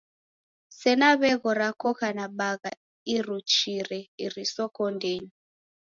Sena w'eghora koka na bagha iruchire iriso kondenyi.